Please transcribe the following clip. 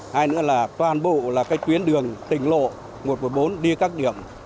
hai nữa là toàn bộ là cái tuyến đường tỉnh lộ một trăm một mươi bốn đi các điểm